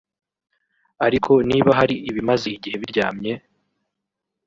Ariko niba hari ibimaze igihe biryamye